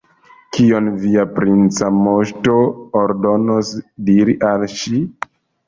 Kion via princa moŝto ordonos diri al ŝi?